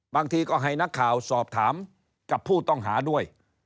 บางทีก็ให้นักข่าวสอบถามกับผู้ต้องหาด้วย